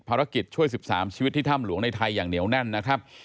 ช่วย๑๓ชีวิตที่ถ้ำหลวงในไทยอย่างเหนียวแน่นนะครับ